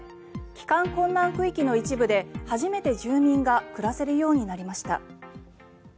帰還困難区域の一部で初めて住人が暮らせるようになりました。